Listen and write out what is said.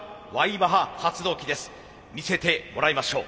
見せてもらいましょう。